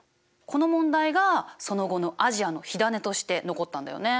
この問題がその後のアジアの火種として残ったんだよね。